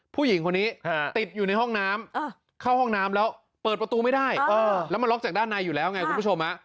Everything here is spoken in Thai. ผู้หญิงคนนี้ติดอยู่ในห้องน้ำเข้าห้องน้ำแล้วเปิดประตูไม่ได้แล้วมันล็อกจากด้านในอยู่แล้วไงคุณผู้ชม